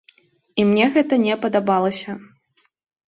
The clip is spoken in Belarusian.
І мне гэта не падабалася.